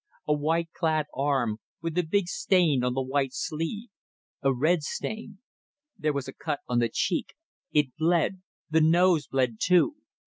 A white clad arm, with a big stain on the white sleeve. A red stain. There was a cut on the cheek. It bled. The nose bled too.